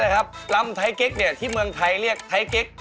อ๋อ๓ชั่วโมงเลยครับ